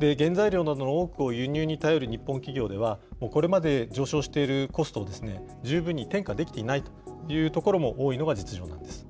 原材料などの多くを輸入に頼る日本企業では、これまで上昇しているコストを十分に転嫁できていないというところも多いのが実情なんです。